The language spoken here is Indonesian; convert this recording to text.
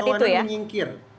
kesetiaan keuangan mengyingkir